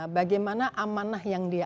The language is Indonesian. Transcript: bagaimana amanah yang dia